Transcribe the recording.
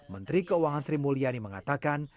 menteri keuangan sri mulyani mengatakan